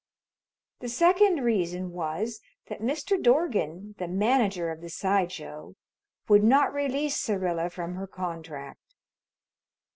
The second reason was that Mr. Dorgan, the manager of the side show, would not release Syrilla from her contract.